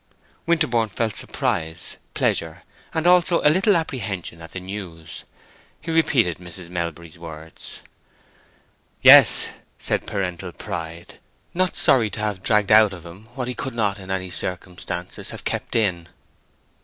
Winterborne felt surprise, pleasure, and also a little apprehension at the news. He repeated Mrs. Melbury's words. "Yes," said paternal pride, not sorry to have dragged out of him what he could not in any circumstances have kept in.